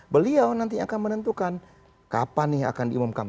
beliau nanti akan menentukan kapan nih akan diumumkan